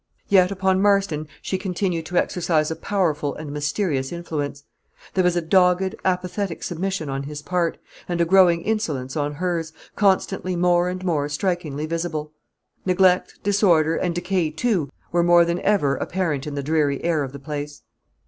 Yet upon Marston she continued to exercise a powerful and mysterious influence. There was a dogged, apathetic submission on his part, and a growing insolence on hers, constantly more and more strikingly visible. Neglect, disorder, and decay, too, were more than ever apparent in the dreary air of the place.